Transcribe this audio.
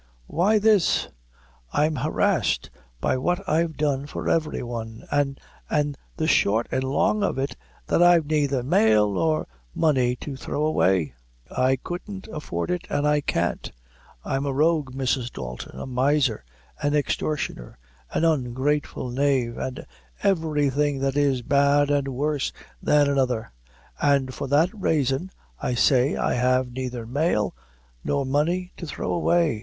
"Why, this: I'm harrished by what I've done for every one; an' an' the short and the long of it is, that I've naither male nor money to throw away. I couldn't afford it and I can't. I'm a rogue, Mrs. Dalton a miser, an extortioner, an ungrateful knave, and everything that is bad an' worse than another; an' for that raison, I say, I have naither male nor money to throw away.